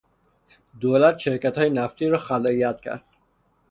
دولت شرکتهای نفتی را خلع ید کرد.